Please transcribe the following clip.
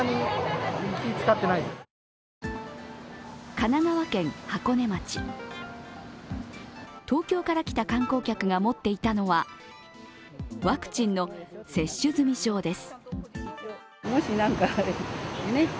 神奈川県箱根町、東京から来た観光客が持っていたのはワクチンの接種済み証です。